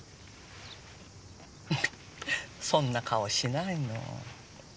そんな顔しないの。